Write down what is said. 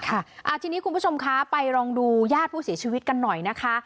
ค่ะอ่าทีนี้คุณผู้ชมคะไปลองดูญาติผู้เสียชีวิตกันหน่อยนะคะ